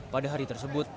pada hari tersebut